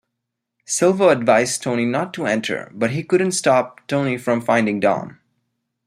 Silvio advised Tony not to enter, but he couldn't stop Tony from finding Dom.